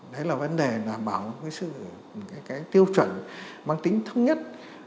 đấy là vấn đề đảm bảo cái tiêu chuẩn mang tính thông nhất